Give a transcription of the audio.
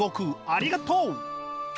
ありがとう！